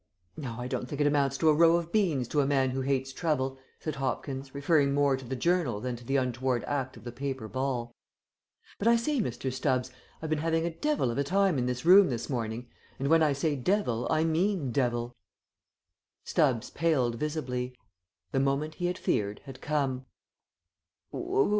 "No, I don't think it amounts to a row of beans to a man who hates trouble," said Hopkins, referring more to the journal than to the untoward act of the paper ball. "But I say, Mr. Stubbs, I've been having a devil of a time in this room this morning, and when I say devil I mean devil." Stubbs paled visibly. The moment he had feared had come.